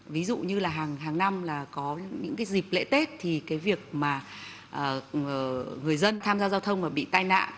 ví dụ như là hàng năm là có những cái dịp lễ tết thì cái việc mà người dân tham gia giao thông mà bị tai nạn